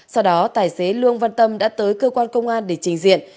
sau đó tài xế lương văn tâm đã tới cơ quan công an để trình diện